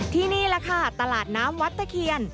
นี่แหละค่ะตลาดน้ำวัดตะเคียน